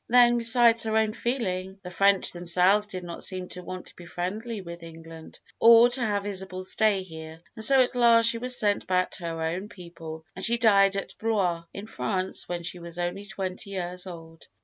Then besides her own feeling, the French themselves did not seem to want to be friendly with England, or to have Isabel stay here; and so at last she was sent back to her own people, and she died at Blois in France, when she was only twenty years old."